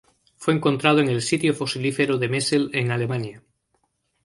Fue encontrado en el sitio fosilífero de Messel en Alemania.